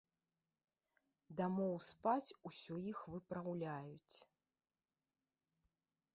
Дамоў спаць усё іх выпраўляюць.